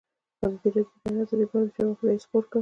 ازادي راډیو د د بیان آزادي لپاره د چارواکو دریځ خپور کړی.